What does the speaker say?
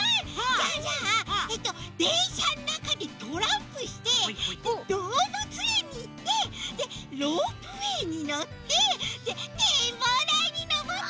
じゃあじゃあえっとでんしゃのなかでトランプしてどうぶつえんにいってでロープウエーにのってでてんぼうだいにのぼって。